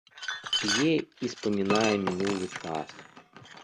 П'е і спамінае мінулы час.